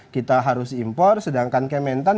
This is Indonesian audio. kita harus impor sedangkan kementan